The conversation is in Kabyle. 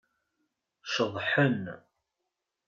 Ceḍḥen.